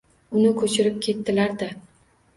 Uni ko’chirib keltirdilar-da